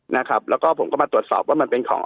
นะครับแล้วก็ผมก็มาตรวจสอบว่ามันเป็นของ